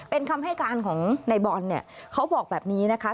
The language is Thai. เป็นคำให้การของในบอลเนี่ยเขาบอกแบบนี้นะคะ